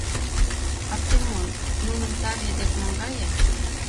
Артемон, нуным таве дек наҥгае.